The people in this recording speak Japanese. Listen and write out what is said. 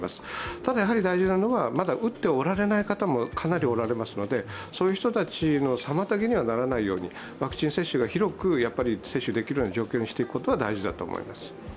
ただ、大事なのはまだ打っていない方もかなりおられますのでそういう人たちの妨げにはならないようにワクチン接種が広く接種できるような状況にしていくことは大事だと思います。